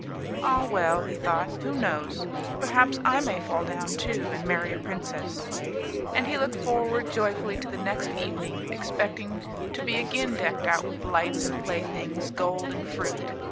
"Ah! well," he thought, "who knows? perhaps I may fall down too, and marry a princess;" and he looked forward joyfully to the next evening, expecting to be again decked out with lights and playthings, gold and fruit.